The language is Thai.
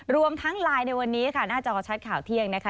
รวมทั้งไลน์ในวันนี้ค่ะหน้าจอชัดข่าวเที่ยงนะคะ